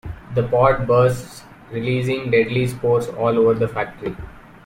The pod bursts, releasing deadly spores all over the factory.